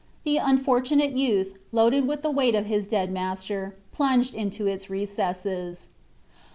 The unfortunate youth, loaded with the weight of his dead master, plunged into its recesses.